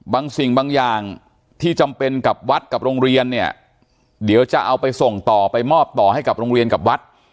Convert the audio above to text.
บางสิ่งบางอย่างที่จำเป็นกับวัดกับโรงเรียนเนี่ยเดี๋ยวจะเอาไปส่งต่อไปมอบต่อให้กับโรงเรียนกับวัด